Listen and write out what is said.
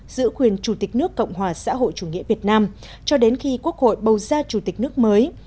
giữ quyền chủ tịch nước cộng hòa xã hội chủ nghĩa việt nam cho đến khi quốc hội bầu ra chủ tịch nước mới